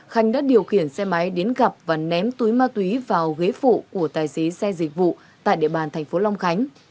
khánh đã điều khiển xe máy đến gặp và ném túi ma túy vào ghế phụ của tài xế xe dịch vụ tại địa bàn tp long khánh